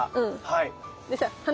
はい。